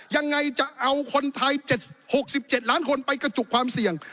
ยังไงจะเอาคนไทย๗๖๗ล้านคนไปกระจุกความเสี่ยง